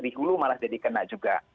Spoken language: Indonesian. di hulu malah jadi kena juga